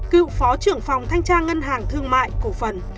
cựu phó trưởng phòng thanh tra ngân hàng thương mại cổ phần